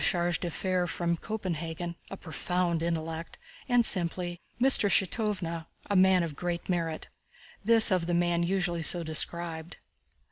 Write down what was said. Kronq,—chargé d'affaires from Copenhagen—a profound intellect," and simply, "Mr. Shítov—a man of great merit"—this of the man usually so described.